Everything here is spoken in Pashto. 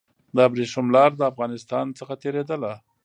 د ابريښم لار د افغانستان څخه تېرېدله.